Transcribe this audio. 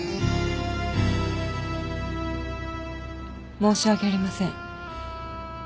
申し訳ありません。